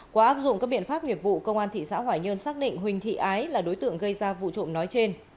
qua áp dụng các biện pháp nghiệp vụ công an thị xã hoài nhơn xác định huỳnh thị ái là đối tượng gây ra vụ trộm nói trên